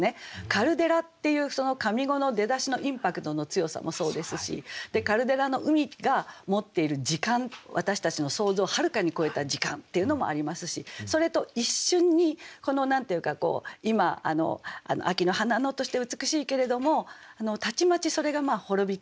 「カルデラ」っていう上五の出だしのインパクトの強さもそうですしカルデラの湖が持っている時間私たちの想像をはるかに超えた時間っていうのもありますしそれと一瞬に何て言うか今秋の花野として美しいけれどもたちまちそれが滅びていってしまうっていうね